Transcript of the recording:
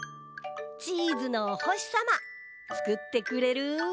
チーズのおほしさまつくってくれる？